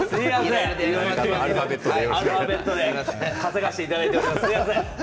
アルファベットで稼がせていただいています。